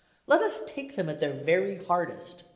Let us take them at their very hardest.